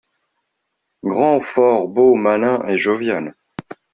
Grand, fort, beau, malin et jovial